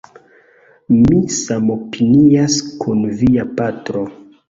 Mi samopinias kun via patro